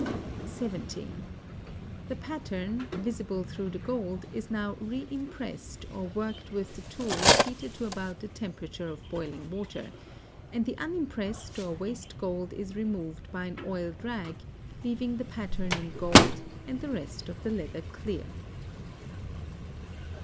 (17) The pattern, visible through the gold, is now reimpressed or worked with the tools heated to about the temperature of boiling water, and the unimpressed or waste gold is removed by an oiled rag, leaving the pattern in gold and the rest of the leather clear.